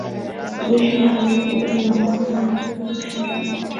Jeshi la walowezi lililoongozwa na George Washington